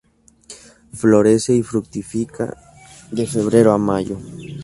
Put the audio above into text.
Florece y fructifica de febrero a mayo.